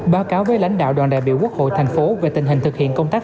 báo cáo với lãnh đạo đoàn đại biểu quốc hội thành phố về tình hình thực hiện công tác